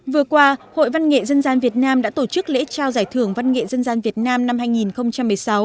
vừa qua hội văn nghệ dân gian việt nam đã tổ chức lễ trao giải thưởng văn nghệ dân gian việt nam năm hai nghìn một mươi sáu